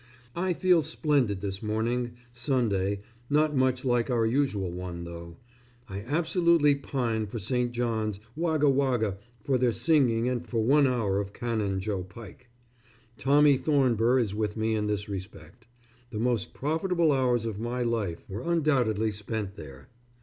I feel splendid this morning, Sunday not much like our usual one, though. I absolutely pine for St. John's, Wagga Wagga, for their singing and for one hour of Canon Joe Pike. Tommy Thornber is with me in this respect. The most profitable hours of my life were undoubtedly spent there....